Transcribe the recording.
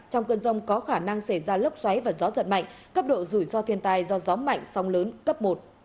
trong cơn rông có khả năng xảy ra lốc xoáy và gió giật mạnh cấp độ rủi so thiên tài do gió mạnh sóng lớn cấp một